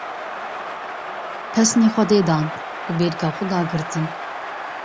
Pesinê Xwedê dan û bêrîka xwe dagirtin.